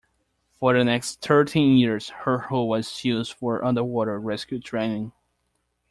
For the next thirteen years, her hull was used for underwater rescue training.